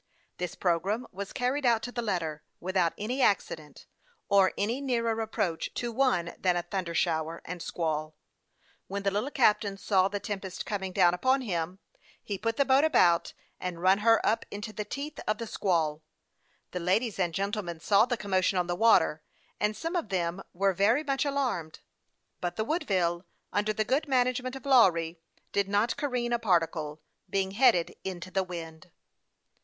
This programme was carried out to the letter, with out any accident, or any nearer approach to one than a thunder shower and squall. When the little captain saw the tempest coming down upon him, though perhaps it was not absolutely necessary to do so, he put the boat about, and run her up into the teeth of the squall. The ladies and gentlemen saw the commotion on the water, and some of them were very much alarmed ; but the Woodville, under the .good management of Lawry, did not careen a par ticle, being headed into the wind.